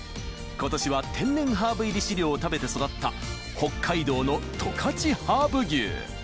今年は天然ハーブ入り飼料を食べて育った北海道の十勝ハーブ牛